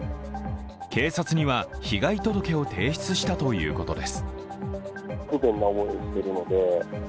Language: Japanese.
警察には被害届を提出したということです。